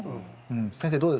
先生どうですか？